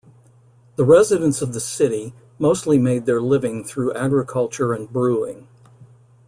The residents of the city, mostly made their living through agriculture and brewing.